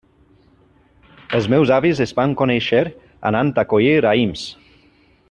Els meus avis es van conèixer anant a collir raïms.